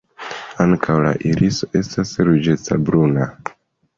Ankaŭ la iriso estas ruĝecbruna.